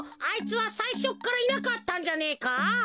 あいつはさいしょからいなかったんじゃねえか？